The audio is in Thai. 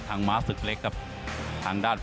ทางม้าสึกเล็กครับทางด้านฝั่ง